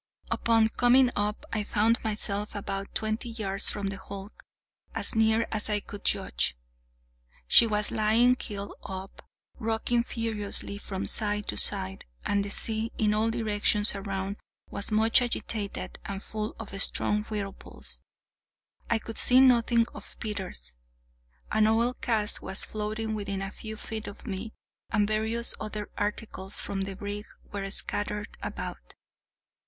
Upon coming up I found myself about twenty yards from the hulk, as near as I could judge. She was lying keel up, rocking furiously from side to side, and the sea in all directions around was much agitated, and full of strong whirlpools. I could see nothing of Peters. An oil cask was floating within a few feet of me, and various other articles from the brig were scattered about.